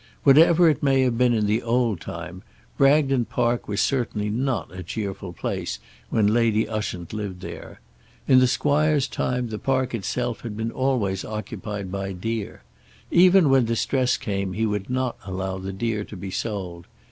Whatever it may have been in the old time, Bragton Park was certainly not a cheerful place when Lady Ushant lived there. In the squire's time the park itself had always been occupied by deer. Even when distress came he would not allow the deer to be sold.